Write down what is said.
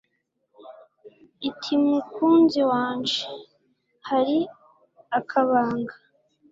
itimukunzi wanje hari akabanga